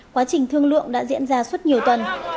quá trình thương lượng đã diễn ra suốt nhiều tuần